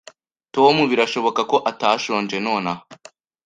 Tom birashoboka ko atashonje nonaha.